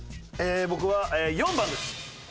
僕は４番です。